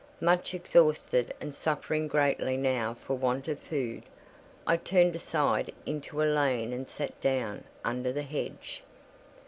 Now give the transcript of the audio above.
Much exhausted, and suffering greatly now for want of food, I turned aside into a lane and sat down under the hedge.